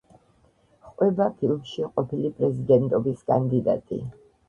ჰყვება ფილმში ყოფილი პრეზიდენტობის კანდიდატი.